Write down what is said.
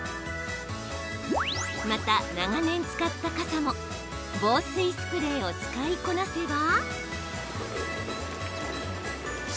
また、長年使った傘も防水スプレーを使いこなせば。